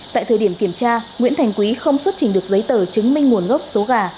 tại thời điểm kiểm tra nguyễn thành quý không xuất trình được giấy tờ chứng minh nguồn gốc số gà